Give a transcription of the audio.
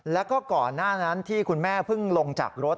แล้วก็ก่อนหน้านั้นที่คุณแม่เพิ่งลงจากรถ